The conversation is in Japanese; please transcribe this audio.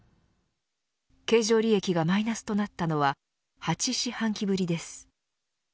経常利益がマイナスとなったのは８四半期ぶりです。